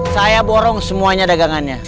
saya borong semuanya dagangannya